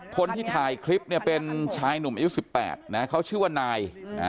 คนที่ถ่ายคลิปเนี่ยเป็นชายหนุ่มอายุ๑๘นะเขาชื่อว่านาย